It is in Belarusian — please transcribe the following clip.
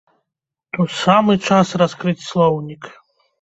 Тут самы час раскрыць слоўнік.